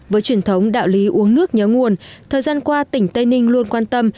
với truyền thống đạo lý uống nước nhớ nguồn thời gian qua tỉnh tây ninh luôn quan tâm